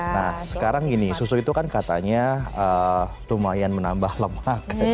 nah sekarang gini susu itu kan katanya lumayan menambah lemak